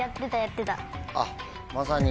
あっまさに。